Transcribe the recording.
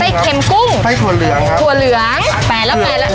เค็มกุ้งไส้ถั่วเหลืองครับถั่วเหลืองแปลแล้วแปลแล้ว